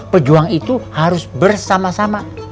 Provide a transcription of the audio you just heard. pejuang itu harus bersama sama